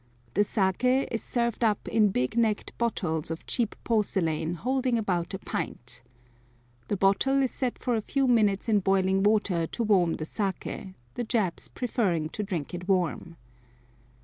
The sake is served up in big necked bottles of cheap porcelain holding about a pint. The bottle is set for a few minutes in boiling water to warm the sake, the Japs preferring to drink it warm.